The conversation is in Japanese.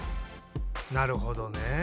なるほどね。